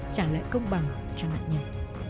trả lại công bằng cho nạn nhân